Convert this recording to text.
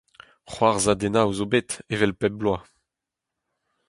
C'hoarzhadennoù zo bet, evel bep bloaz.